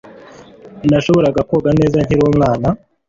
Nashoboraga koga neza nkiri umwana